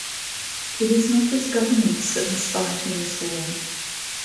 It is not just governments that must fight in this war.